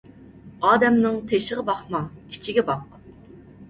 ئادەمنىڭ تېشىغا باقما، ئىچىگە باق.